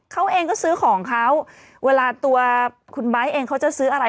เขาเองก็ซื้อของเขาเวลาตัวคุณไบท์เองเขาจะซื้ออะไร